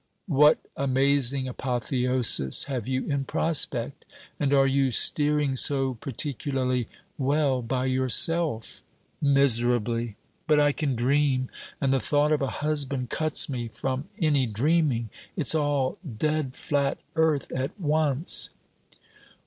'What amazing apotheosis have you in prospect? And are you steering so particularly well by yourself?' 'Miserably! But I can dream. And the thought of a husband cuts me from any dreaming. It's all dead flat earth at once!'